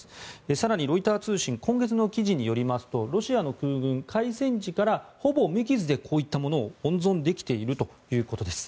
更にロイター通信の今月の記事によりますとロシアの空軍、開戦時からほぼ無傷でこういったものを温存できているということです。